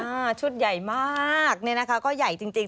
ชุดใหญ่มากเนี่ยนะคะก็ใหญ่จริง